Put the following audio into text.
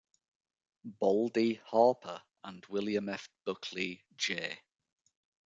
"Baldy" Harper, and William F. Buckley J.